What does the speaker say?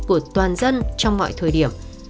của toàn dân trong mọi thời điểm